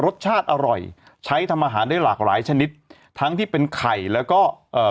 รสชาติอร่อยใช้ทำอาหารได้หลากหลายชนิดทั้งที่เป็นไข่แล้วก็เอ่อ